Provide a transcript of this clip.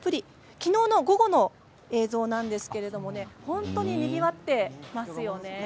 昨日の午後の映像なんですけれど本当ににぎわっていますよね。